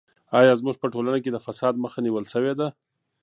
ایا زموږ په ټولنه کې د فساد مخه نیول سوې ده؟